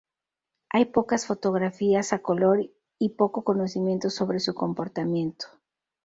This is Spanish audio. Hay pocas fotografías a color y poco conocimiento sobre su comportamiento.